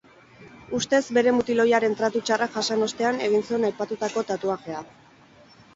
Ustez bere mutil ohiaren tratu txarrak jasan ostean egin zuen aipatutako tatuajea.